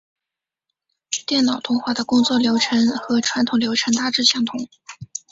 电脑动画的工作流程和传统流程大致相同。